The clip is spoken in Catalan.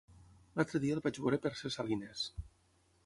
L'altre dia el vaig veure per Ses Salines.